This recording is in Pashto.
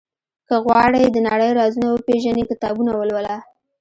• که غواړې د نړۍ رازونه وپېژنې، کتابونه ولوله.